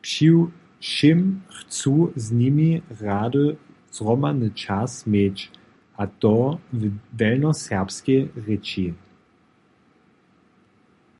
Přiwšěm chcu z nimi rjany zhromadny čas měć, a to w delnjoserbskej rěči.